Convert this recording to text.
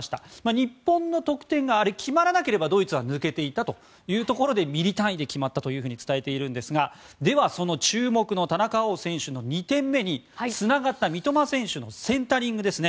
日本の得点が決まらなければドイツは抜けていたというところでミリ単位で決まったと伝えているんですがではその注目の田中碧選手の２点目につながった三笘選手のセンタリングですね。